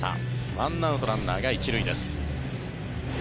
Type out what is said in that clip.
１アウト、ランナーが１塁です。